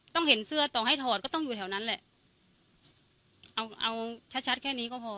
ต้องเห็นเสื้อต่อให้ถอดก็ต้องอยู่แถวนั้นแหละเอาเอาชัดชัดแค่นี้ก็พอ